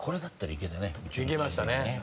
いけましたね。